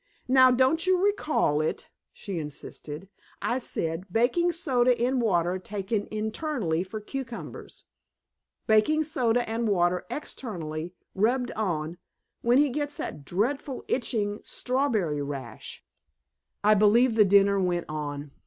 "Now, don't you recall it?" she insisted. "I said: 'Baking soda in water taken internally for cucumbers; baking soda and water externally, rubbed on, when he gets that dreadful, itching strawberry rash.'" I believe the dinner went on.